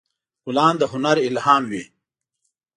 ګلان د هنر الهام وي.